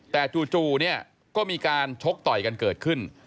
แต่จู่เนี่ยก็มีการชกต่อยกันเกิดขึ้น